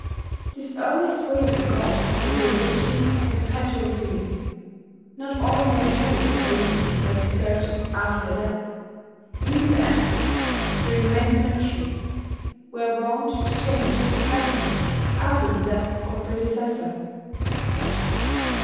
This earliest Way of the Gods was a religion of perpetual fear. Not ordinary homes only were deserted after a death: even the Emperors, during many centuries, were wont to change their capital after the death of a predecessor.